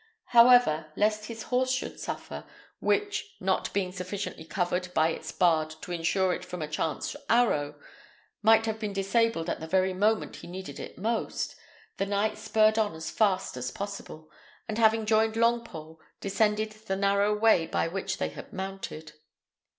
However, lest his horse should suffer, which, not being sufficiently covered by its bard to insure it from a chance arrow, might have been disabled at the very moment he needed it most, the knight spurred on as fast as possible, and having joined Longpole, descended the narrow way by which they had mounted.